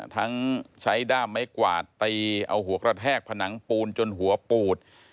ทั้งใช้ด้ามไม้กวาดตีเอาหัวกระแทกผนังปูนจนหัวปูด